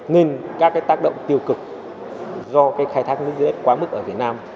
nên các cái tác động tiêu cực do cái khai thác nước dưới đất quá mức ở việt nam